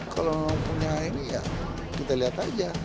kalau punya ini ya kita lihat aja